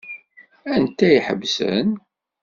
Anta i iḥebsen?